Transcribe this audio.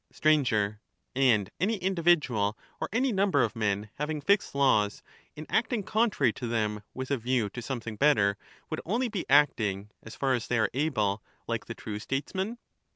Sir, And any individual or any number of men, having fixed laws, in acting contrary to them with a view to some thing better, would only be acting, as far as they are able, like the true Statesman